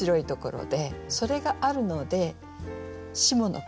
それがあるので下の句